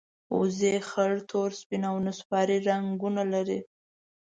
وزې خړ، تور، سپین او نسواري رنګونه لري